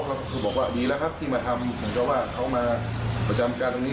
ก็คือบอกว่าดีแล้วครับที่มาทำเหมือนกับว่าเขามาประจำการตรงนี้